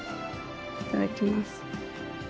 いただきます。